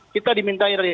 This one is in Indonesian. kita dimintai dari